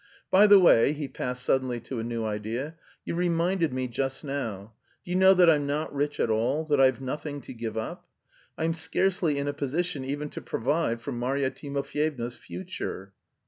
"By the way," he passed suddenly to a new idea, "you reminded me just now. Do you know that I'm not rich at all, that I've nothing to give up? I'm scarcely in a position even to provide for Marya Timofyevna's future....